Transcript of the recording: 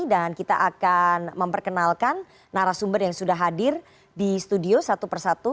dan kita akan memperkenalkan narasumber yang sudah hadir di studio satu persatu